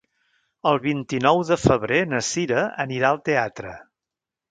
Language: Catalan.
El vint-i-nou de febrer na Sira anirà al teatre.